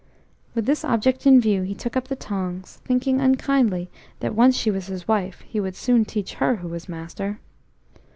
With this object in view he took up the tongs, thinking unkindly that once she was his wife, he would soon teach her who was master.